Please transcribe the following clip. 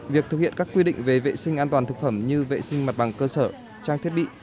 việc thực hiện các quy định về vệ sinh an toàn thực phẩm như vệ sinh mặt bằng cơ sở trang thiết bị